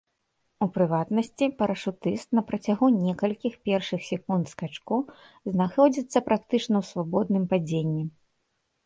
У прыватнасці, парашутыст на працягу некалькіх першых секунд скачку знаходзіцца практычна ў свабодным падзенні.